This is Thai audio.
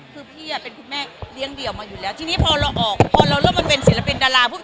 คือพี่เป็นคุณแม่เลี้ยงเดี่ยวมาอยู่แล้วทีนี้พอเราออกพอเราเริ่มมาเป็นศิลปินดาราปุ๊บ